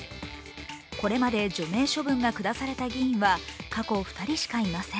これまで除名処分が下された議員は過去２人しかいません。